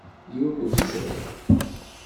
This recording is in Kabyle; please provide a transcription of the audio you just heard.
Yiwen ur t-jerrḥeɣ.